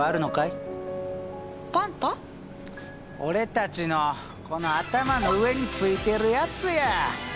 俺たちのこの頭の上についてるやつや！